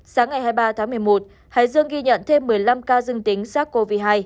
sáng ngày hai mươi ba tháng một mươi một hải dương ghi nhận thêm một mươi năm ca dương tính sars cov hai